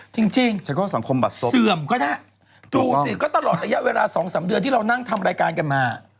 จริงเสื่อมก็น่ะดูสิก็ตลอดอายะเวลา๒๓เดือนที่เรานั่งทำรายการกันมา